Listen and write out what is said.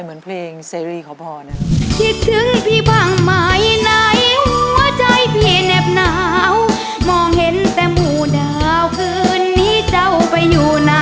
เหมือนเพลงเซรีของพ่อเนี่ย